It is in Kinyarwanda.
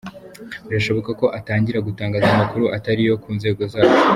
Birashoboka ko atangira gutangaza amakuru atari yo ku nzego zacu".